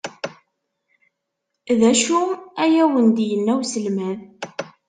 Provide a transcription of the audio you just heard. D acu ay awent-d-yenna uselmad?